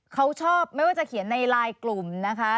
เขาชอบไม่ว่าจะเขียนในไลน์กลุ่มนะคะ